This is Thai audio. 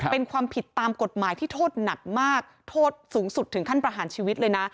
เป็นความผิดตามกฎหมายที่โทษหนักมากโทษสูงสุดถึงขั้นประหารชีวิตเลยนะ